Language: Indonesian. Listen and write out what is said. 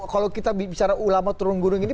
kalau kita bicara ulama turun gunung ini